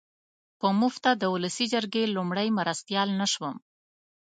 په مفته د اولسي جرګې لومړی مرستیال نه شوم.